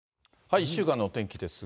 １週間のお天気ですが。